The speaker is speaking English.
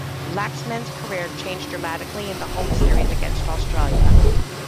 Laxman's career changed dramatically in the home series against Australia.